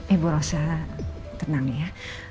ibu rosa tenang ya